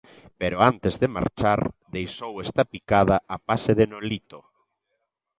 Pero antes de marchar deixou esta picada a pase de Nolito.